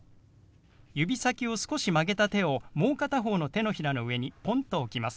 指先を少し曲げた手をもう片方の手のひらの上にポンと置きます。